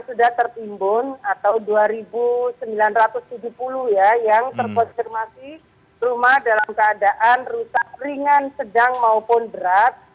sudah tertimbun atau dua sembilan ratus tujuh puluh ya yang terkonfirmasi rumah dalam keadaan rusak ringan sedang maupun berat